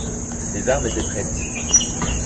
Les armes étaient prêtes.